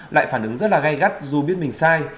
lại phản ứng rất là gây gắt dù biết mình sai